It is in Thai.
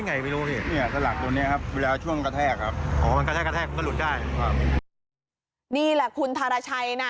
นี่แหละควรมาขวับคุณธรชัยนะ